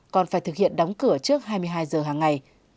còn phải thực hiện đóng cửa trước hai mươi hai giờ hàng ngày